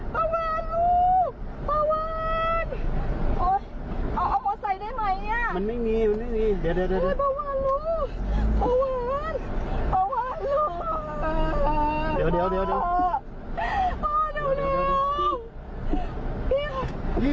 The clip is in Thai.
พ่อแม่รีบขับรถติดหัวใจหยุดเต้น